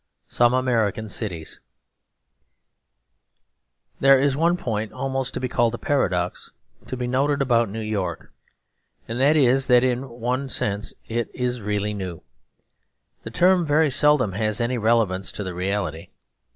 Some American Cities There is one point, almost to be called a paradox, to be noted about New York; and that is that in one sense it is really new. The term very seldom has any relevance to the reality.